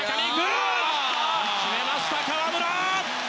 決めました、河村！